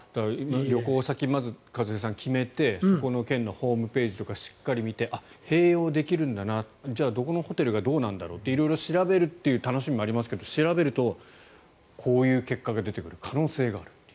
旅行先をまず決めてそこの県のホームページとかしっかり見て併用できるんだなとじゃあどこのホテルがどうなんだろうと色々調べるという楽しみもありますけど調べると、こういう結果が出てくる可能性がある。